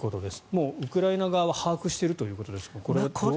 もうウクライナ側は把握しているということですがこれはどうでしょう。